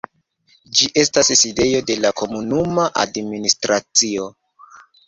Ĝi estas sidejo de la komunuma administracio.